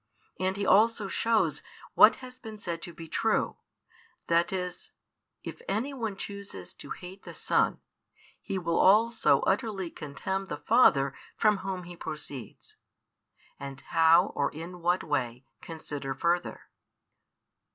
And He also shows what has been said to be true; that is, that if any one chooses to hate the Son, he will also utterly contemn the Father from Whom He proceeds. And how, or in what way, consider further.